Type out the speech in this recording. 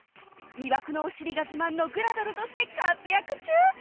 魅惑のお尻が自慢のグラドルとして活躍中